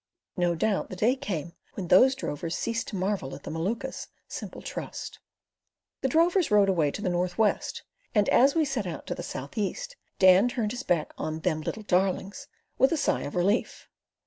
No doubt the day came when those drovers ceased to marvel at the Maluka's simple trust. The drovers rode away to the north west, and as we set out to the south east, Dan turned his back on "them little darlings" with a sigh of relief.